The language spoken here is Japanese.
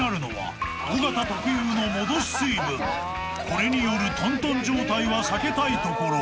［これによるとんとん状態は避けたいところ］